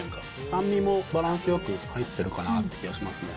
酸味もバランスよく入ってるかなって気がしますね。